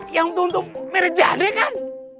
yang untuk untuk merejade kan